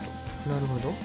なるほど。